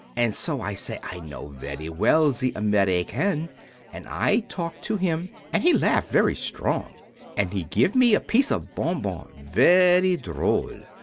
And so I say I know very well the American and I talk at him and he laugh very strong. And he give me a piece of bonbon very droll.